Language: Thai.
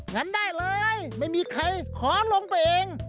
งั้นได้เลยไม่มีใครขอลงไปเอง